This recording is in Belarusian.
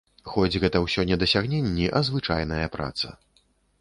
Хоць гэта ўсё не дасягненні, а звычайная праца.